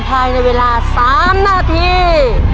ภายในเวลา๓นาที